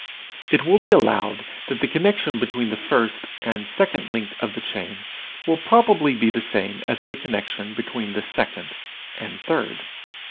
It will be allowed that the connection between the first and second link of the chain will probably be the same as the connection between the second and third.